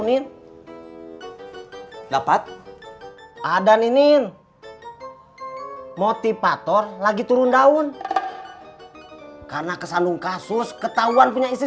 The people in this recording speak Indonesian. nien dapat ada ninin motivator lagi turun daun karena kesandung kasus ketahuan punya isi simpanan